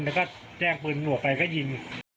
แล้วก็แยกปืนหนัวไปก็ยิง